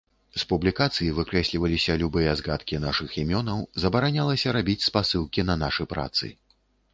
З публікацый выкрэсліваліся любыя згадкі нашых імёнаў, забаранялася рабіць спасылкі на нашы працы.